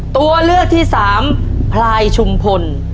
ตัวเลือกที่สามพลายชุมพล